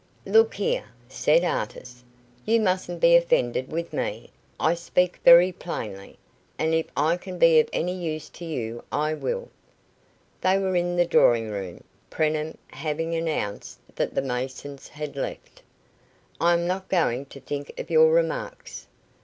"Look here," said Artis; "you mustn't be offended with me. I speak very plainly, and if I can be of any use to you, I will." They were in the drawing room, Preenham, having announced that the masons had left. "I am not going to think of your remarks."